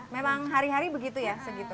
memang hari hari begitu ya segitu